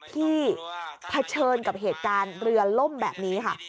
เผชิญกับเหตุการณ์เรือล่มแบบนี้ค่ะ